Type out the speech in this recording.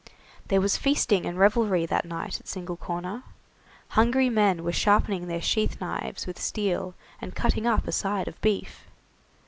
There was feasting and revelry that night at Single Corner. Hungry men were sharpening their sheath knives with steel, and cutting up a side of beef.